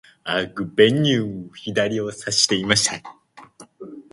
アグベニュー、左をさしました。